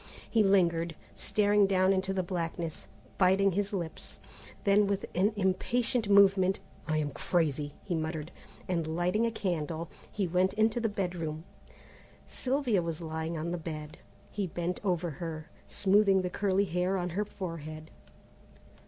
He lingered, staring down into the blackness, biting his lips; then with an impatient movement, "I am crazy!" he muttered, and lighting a candle, went into the bedroom. Sylvia was lying on the bed. He bent over her, smoothing the curly hair on her forehead.